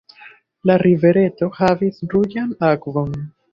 La rivereto havis ruĝan akvon.